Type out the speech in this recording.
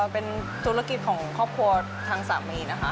เป็นธุรกิจของครอบครัวทางสามีนะคะ